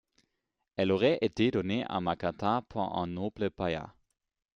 Elle aurait été donnée à Macartan par un noble païen.